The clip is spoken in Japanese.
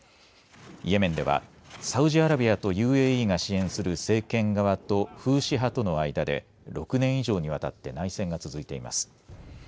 イエメンではサウジアラビアとＵＡＥが支援する政権側とフーシ派との間で６年以上にわたって内戦が続いています。